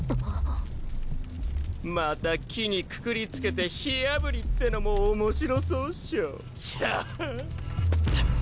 また木にくくり付けて火あぶりってのも面白そうっショシャハ！